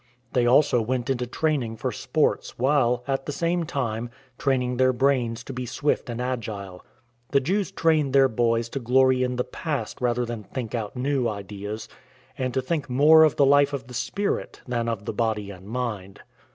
They also went into training for sports, while, at the same time, training their brains to be swift and agile. The Jews trained their boys to glory in the past rather than think out new ideas, and to think more of the life of the spirit than of the body and mind.